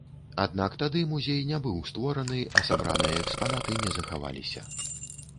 Аднак тады музей не быў створаны, а сабраныя экспанаты не захаваліся.